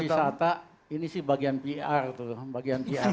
bagi para wisata ini sih bagian pr tuh bagian pr doang